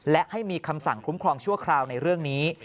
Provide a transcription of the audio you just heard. และให้มีคำสั่งคุ้มครองชั่วคราวในเรื่องนี้